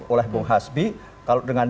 oleh bung hasbi kalau dengan